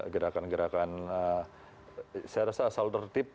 gerakan gerakan saya rasa selalu tertib